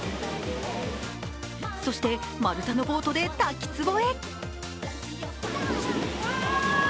そして、丸太のボートで滝つぼへ。